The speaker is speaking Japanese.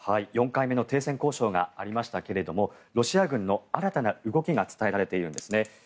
４回目の停戦交渉がありましたがロシア軍の新たな動きが伝えられているんです。